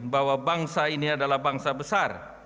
bahwa bangsa ini adalah bangsa besar